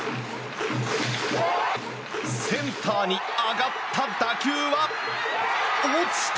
センターに上がった打球は落ちた！